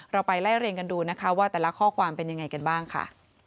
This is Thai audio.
ไปไล่เรียงกันดูนะคะว่าแต่ละข้อความเป็นยังไงกันบ้างค่ะ